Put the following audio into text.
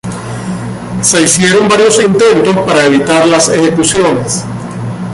Se hicieron varios intentos para evitar las ejecuciones.